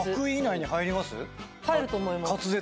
「入ると思います」